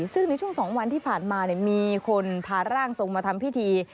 ซึ่งในช่วง๒วันที่ผ่านมามีคนพาร่างทรงมาทำพิธี